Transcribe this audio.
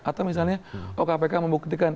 atau misalnya oh kpk membuktikan